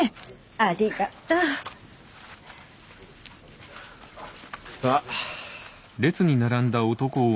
ありがとう。さあ。